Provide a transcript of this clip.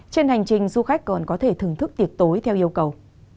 trên hành trình du khách còn có thể thưởng thức tiệc tối theo yêu cầu